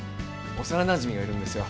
幼なじみがいるんですよ。